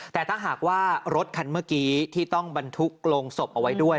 แต่ถ้าหากว่ารถคันเมื่อกี้ที่ต้องบรรทุกโรงศพเอาไว้ด้วย